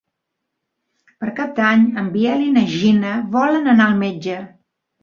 Per Cap d'Any en Biel i na Gina volen anar al metge.